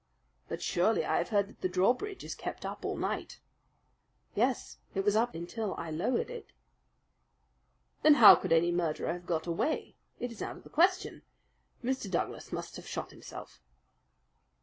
"But surely I have heard that the drawbridge is kept up all night." "Yes, it was up until I lowered it." "Then how could any murderer have got away? It is out of the question! Mr. Douglas must have shot himself."